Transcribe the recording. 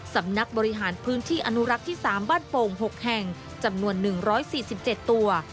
สำนักบริหารพื้นที่อนุรักษ์ที่๓บ้านโป่ง๖แห่งจำนวน๑๔๗ตัว